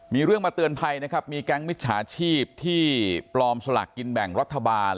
มีเรื่องมาเตือนภัยนะครับมีแก๊งมิจฉาชีพที่ปลอมสลากกินแบ่งรัฐบาล